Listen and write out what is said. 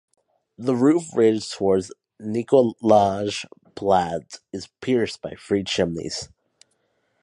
The roof ridge towards Nikolaj Plads is pierced by three chimneys.